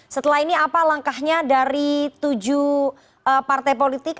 setelah ini apa langkahnya dari tujuh partai politik